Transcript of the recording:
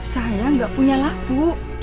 saya gak punya labu